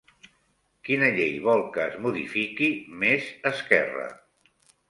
Quina llei vol que es modifiqui Més Esquerra?